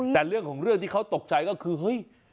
แต่เรื่องของเรื่องที่เขาตกใจก็คือเฮ้ย